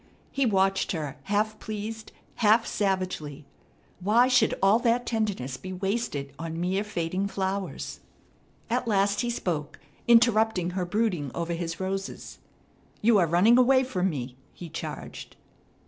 He watched her, half pleased, half savagely. Why should all that tenderness be wasted on mere fading flowers? At last he spoke, interrupting her brooding over his roses. "You are running away from me!" he charged.